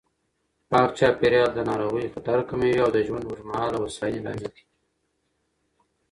پاک چاپېریال د ناروغیو خطر کموي او د ژوند اوږدمهاله هوساینې لامل کېږي.